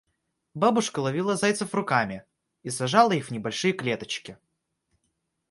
Бабушка ловила зайцев руками и сажала их в небольшие клеточки.